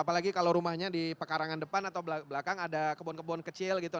apalagi kalau rumahnya di pekarangan depan atau belakang ada kebun kebun kecil gitu